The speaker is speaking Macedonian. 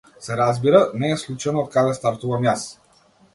Се разбира, не е случајно од каде стартувам јас.